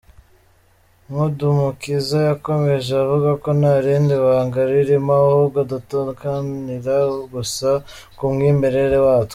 Nkundumukiza yakomeje avuga ko nta rindi banga ririmo, ahubwo dutandukanira gusa ku mwimerere watwo.